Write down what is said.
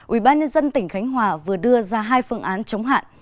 ubnd tỉnh khánh hòa vừa đưa ra hai phương án chống hạn